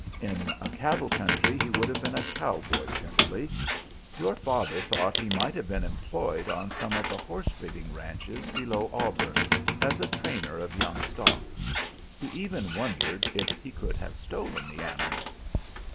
In a cattle country he would have been a cowboy simply. Your father thought he might have been employed on some of the horse breeding ranches below Auburn as a trainer of young stock. He even wondered if he could have stolen the animals.